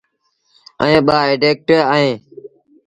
ائيٚݩ ٻآ اينڊيٚڪٽ اهيݩ۔